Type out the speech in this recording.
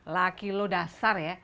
laki lu dasar ya